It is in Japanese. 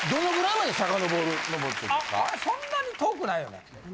まあそんなに遠くないよね？